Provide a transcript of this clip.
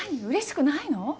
うれしくないの？